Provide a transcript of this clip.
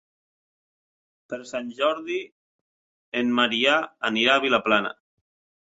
Per Sant Jordi en Maria anirà a Vilaplana.